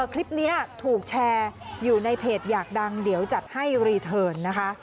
คลิปนี้ถูกแชร์อยู่ในเพจอยากดังเดี๋ยวจัดให้รีเทิร์นนะคะ